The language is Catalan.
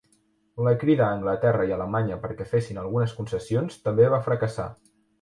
La crida a Anglaterra i Alemanya perquè fessin algunes concessions també va fracassar.